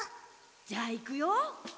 じゃあいくよ。